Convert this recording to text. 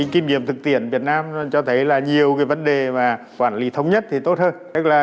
kinh nghiệm thực tiễn việt nam cho thấy là nhiều cái vấn đề mà quản lý thống nhất thì tốt hơn tức là